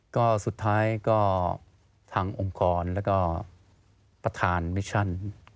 ก็สุดท้ายก็ทางองค์กรแล้วก็ประธานมิชชั่น